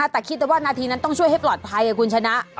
แต่คิดแต่ว่านาทีนั้นต้องช่วยให้ปลอดภัยคุณชนะ